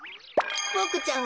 ボクちゃん